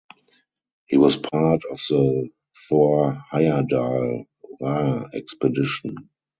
He was part of the Thor Heyerdahl Ra expedition.